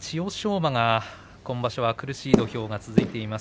馬が今場所は苦しい土俵が続いています。